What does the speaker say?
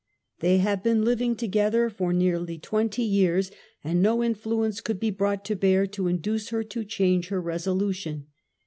They have been living together for near twenty years, and no iniiuence could be brought to bear to induce her to change her resolution.